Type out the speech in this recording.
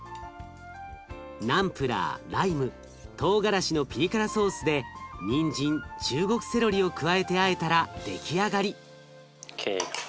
ナンプラーライムトウガラシのピリ辛ソースでにんじん中国セロリを加えてあえたら出来上がり！